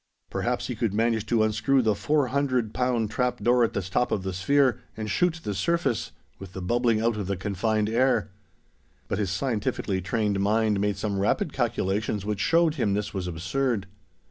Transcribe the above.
Perhaps he could manage to unscrew the 400 pound trap door at the top of the sphere, and shoot to the surface, with the bubbling out of the confined air. But his scientifically trained mind made some rapid calculations which showed him this was absurd.